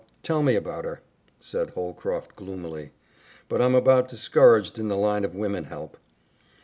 Tell me about her," said Holcroft gloomily. "But I'm about discouraged in the line of women help."